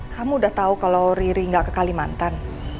kamu udah tau kalo riri gak ke kalimantan